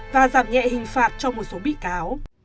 và giảm nhẹ hình phạt cho một số bị cáo